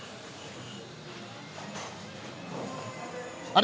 あれ？